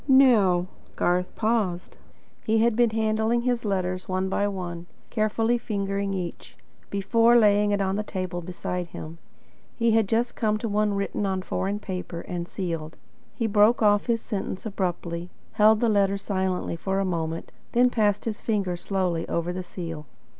Now " Garth paused. He had been handling his letters, one by one; carefully fingering each, before laying it on the table beside him. He had just come to one written on foreign paper, and sealed. He broke off his sentence abruptly, held the letter silently for a moment, then passed his fingers slowly over the seal.